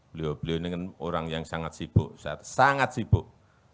beliau beliau ini kan orang yang sangat sibuk sangat sibuk